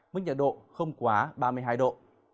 mức nhiệt độ không quá ba mươi hai độ